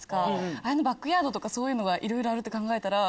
あれのバックヤードとかいろいろあるって考えたら。